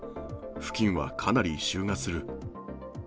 付近はかなり異臭がする。